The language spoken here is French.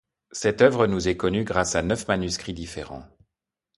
Cette œuvre nous est connue grâce à neuf manuscrits différents.